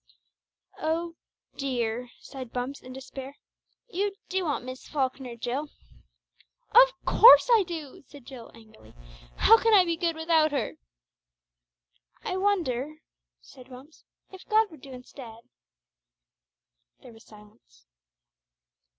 "Oh, dear!" sighed Bumps, in despair. "You do want Miss Falkner, Jill." "Of course I do," said Jill, angrily. "How can I be good without her?" "I wonder," said Bumps, "if God would do instead!" There was silence.